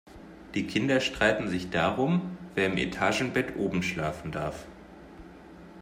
Die Kinder streiten sich darum, wer im Etagenbett oben schlafen darf.